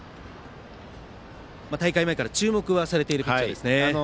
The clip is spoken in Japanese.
大会前から、注目はされているピッチャーですね。